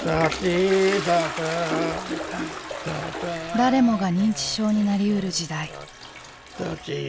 誰もが認知症になりうる時代。